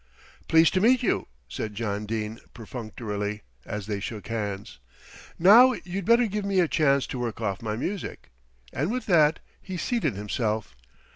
"Pleased to meet you," said John Dene perfunctorily, as they shook hands. "Now you'd better give me a chance to work off my music;" and with that he seated himself.